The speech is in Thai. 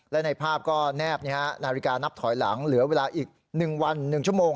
และในภาพก็แนบนาฬิกานับถอยหลังเหลือเวลาอีก๑วัน๑ชั่วโมง